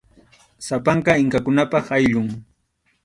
Sapanka inkakunap ayllun.